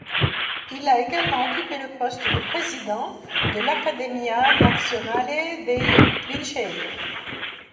Il a également occupé le poste de président de l'Accademia Nazionale dei Lincei.